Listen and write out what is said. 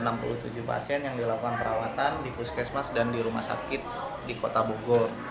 dan enam puluh tujuh pasien yang dilakukan perawatan di fuskesmas dan di rumah sakit di kota bogor